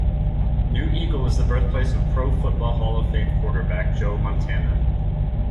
New Eagle is the birthplace of Pro Football Hall of Fame quarterback Joe Montana.